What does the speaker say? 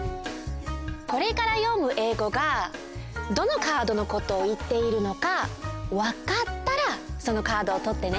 これからよむえいごがどのカードのことをいっているのかわかったらそのカードをとってね。